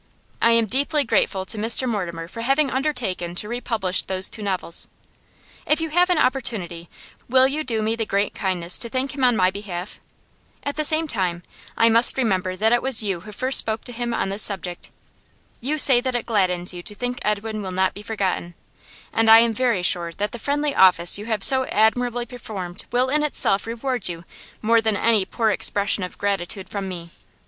I am deeply grateful to Mr Mortimer for having undertaken to republish those two novels; if you have an opportunity, will you do me the great kindness to thank him on my behalf? At the same time, I must remember that it was you who first spoke to him on this subject. You say that it gladdens you to think Edwin will not be forgotten, and I am very sure that the friendly office you have so admirably performed will in itself reward you more than any poor expression of gratitude from me.